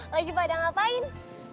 lagi pada ngapain